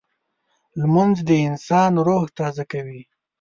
لمونځ د انسان روح تازه کوي